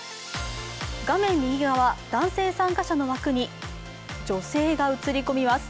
画面右側、男性参加者の枠に女性が映り込みます。